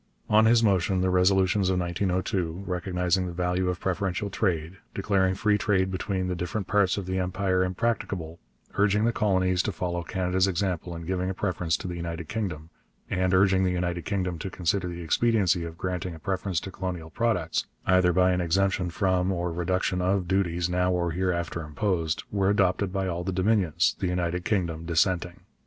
On his motion the resolutions of 1902 recognizing the value of preferential trade, declaring free trade between the different parts of the Empire impracticable, urging the colonies to follow Canada's example in giving a preference to the United Kingdom, and urging the United Kingdom to consider the expediency of granting a preference to colonial products, either by an exemption from or reduction of duties now or hereafter imposed were adopted by all the Dominions, the United Kingdom dissenting.